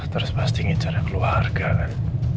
terus pasti ingin cari keluarga kan